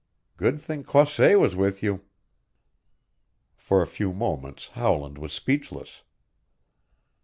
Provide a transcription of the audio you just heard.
Good thing Croisset was with you!" For a few moments Howland was speechless.